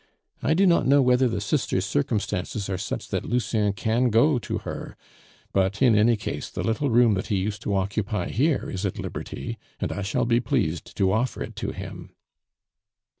I do not know whether the sister's circumstances are such that Lucien can go to her; but in any case the little room that he used to occupy here is at liberty, and I shall be pleased to offer it to him."